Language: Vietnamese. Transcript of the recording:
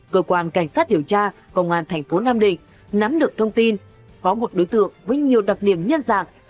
cơ quan cảnh sát điều tra công an thành phố nam định nắm được thông tin có một đối tượng với nhiều đặc điểm nhân dạng